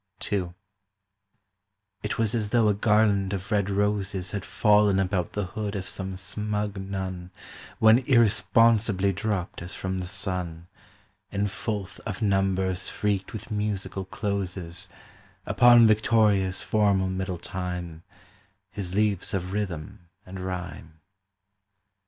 II —It was as though a garland of red roses Had fallen about the hood of some smug nun When irresponsibly dropped as from the sun, In fulth of numbers freaked with musical closes, Upon Victoria's formal middle time His leaves of rhythm and rhyme.